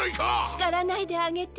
しからないであげて。